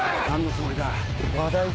何のつもりだ？